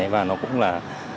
và nó cũng là